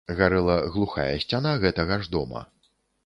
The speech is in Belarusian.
Гарэла глухая сцяна гэтага ж дома.